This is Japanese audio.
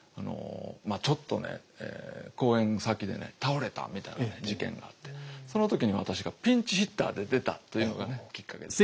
ちょっとね講演先で倒れたみたいな事件があってその時に私がピンチヒッターで出たというのがきっかけですよ。